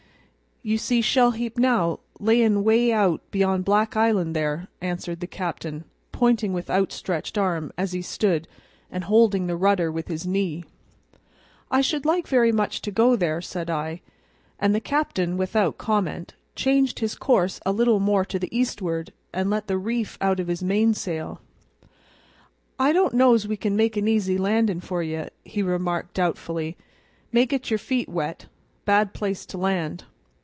"You see Shell heap now, layin' 'way out beyond Black Island there," answered the captain, pointing with outstretched arm as he stood, and holding the rudder with his knee. "I should like very much to go there," said I, and the captain, without comment, changed his course a little more to the eastward and let the reef out of his mainsail. "I don't know's we can make an easy landin' for ye," he remarked doubtfully. "May get your feet wet; bad place to land.